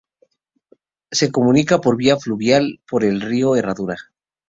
Se comunica por vía fluvial por el "río Herradura".